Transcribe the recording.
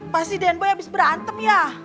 pasti den boy abis berantem ya